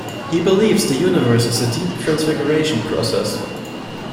He believes the universe is a deep transfiguration process.